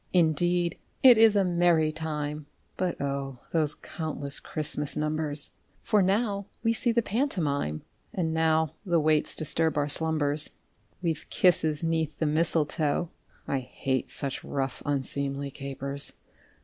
_) Indeed it is a merry time; (But O! those countless Christmas numbers!) For now we see the pantomime, (And now the waits disturb our slumbers.) We've kisses 'neath the mistletoe (_I hate such rough, unseemly capers!